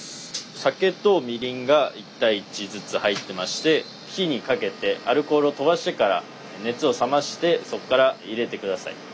酒とみりんが１：１ずつ入ってまして火にかけてアルコールを飛ばしてから熱を冷ましてそこから入れて下さい。